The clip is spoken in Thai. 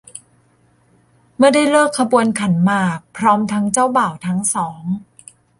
เมื่อได้ฤกษ์ขบวนขันหมากพร้อมทั้งเจ้าบ่าวทั้งสอง